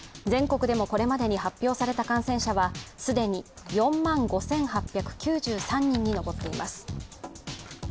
全国でも、これまでに発表された感染者は既に４万５８９３人に上っています。